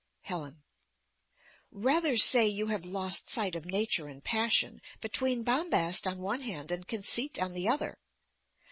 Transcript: Helen Rather say you have lost sight of nature and passion, between bombast on one hand and conceit on the other.